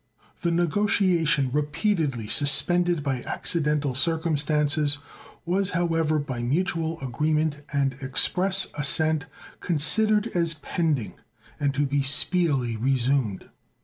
The negotiation, repeatedly suspended by accidental circumstances, was, however, by mutual agreement and express assent, considered as pending and to be speedily resumed.